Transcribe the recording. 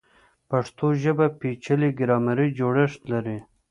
پښتو ژبه پیچلی ګرامري جوړښت لري.